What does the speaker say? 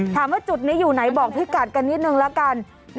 ถามว่าจุดนี้อยู่ไหนบอกพี่กัดกันนิดนึงละกัน